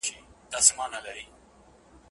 نر دي بولم که ایمان دي ورته ټینګ سو